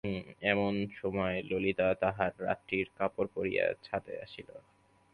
এমন সময় ললিতা তাহার রাত্রির কাপড় পরিয়া ছাতে আসিল।